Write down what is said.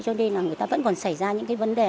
cho nên người ta vẫn còn xảy ra những vấn đề